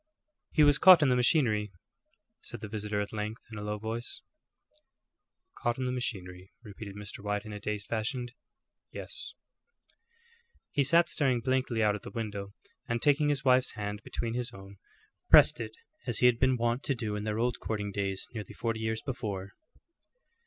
"He was caught in the machinery," said the visitor at length in a low voice. "Caught in the machinery," repeated Mr. White, in a dazed fashion, "yes." He sat staring blankly out at the window, and taking his wife's hand between his own, pressed it as he had been wont to do in their old courting days nearly forty years before.